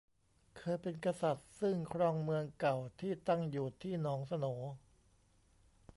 เคยเป็นกษัตริย์ซึ่งครองเมืองเก่าที่ตั้งอยู่ที่หนองโสน